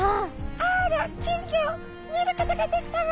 「あら金魚見ることができたわ」。